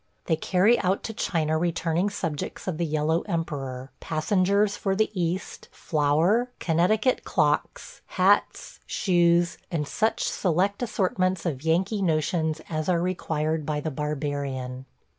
They carry out to China returning subjects of the yellow emperor, passengers for the East, flour, Connecticut clocks, hats, shoes, and such select assortments of Yankee notions as are required by the Barbarian.